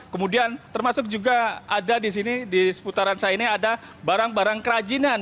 kemudian termasuk juga ada di sini di seputaran saya ini ada barang barang kerajinan